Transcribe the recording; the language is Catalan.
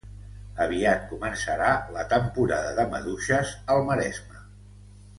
Aviat començarà la temporada de maduixes al Maresme